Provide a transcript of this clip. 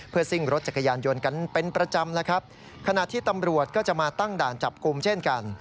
ซิ่งรถจักรยานยนต์กันเป็นประจำแล้วครับขณะที่ตำรวจก็จะมาตั้งด่านจับกลุ่มเช่นกัน